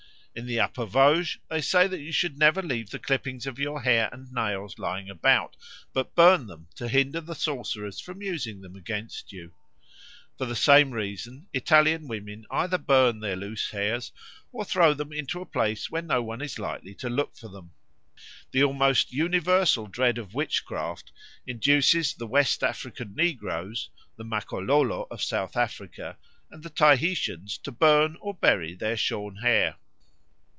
In the Upper Vosges they say that you should never leave the clippings of your hair and nails lying about, but burn them to hinder the sorcerers from using them against you. For the same reason Italian women either burn their loose hairs or throw them into a place where no one is likely to look for them. The almost universal dread of witchcraft induces the West African negroes, the Makololo of South Africa, and the Tahitians to burn or bury their shorn hair.